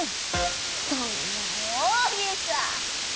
そんな大げさ！